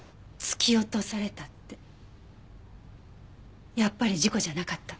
突き落とされたってやっぱり事故じゃなかった。